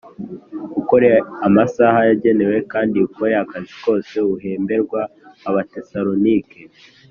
ukora amasaha yagenwe kandi ukore akazi kose uhemberwa Abatesalonike